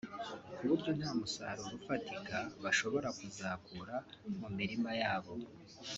ku buryo nta musaruro ufatika bashobora kuzakura mu mirima yabo